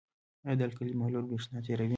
آیا د القلي محلول برېښنا تیروي؟